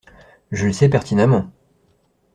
Je le sais pertinemment.